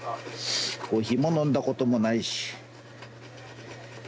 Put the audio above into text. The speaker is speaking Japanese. コーヒーも飲んだこともないし。